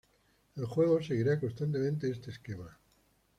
El juego seguirá constantemente este esquema.